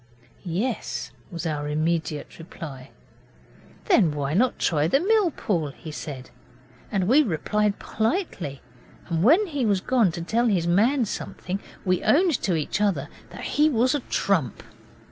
'Yes,' was our immediate reply. 'Then why not try the mill pool?' he said, and we replied politely; and when he was gone to tell his man something we owned to each other that he was a trump.